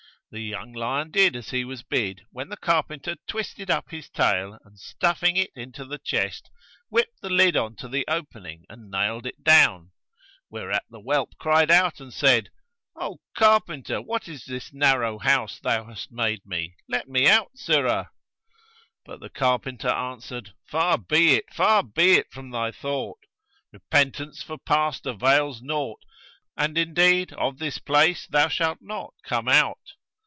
The young lion did as he was bid when the carpenter twisted up his tail and, stuffing it into the chest, whipped the lid on to the opening and nailed it down; whereat the whelp cried out and said, 'O carpenter, what is this narrow house thou hast made me? Let me out, sirrah!' But the carpenter answered, 'Far be it, far be it from thy thought! Repentance for past avails naught, and indeed of this place thou shalt not come out.'